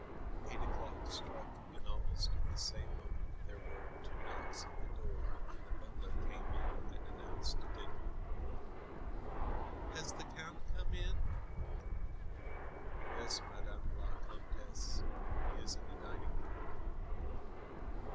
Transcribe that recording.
Eight o'clock struck and almost at the same moment there were two knocks at the door, and the butler came in and announced dinner. "Has the count come in?" "Yes, Madame la Comtesse. He is in the diningroom."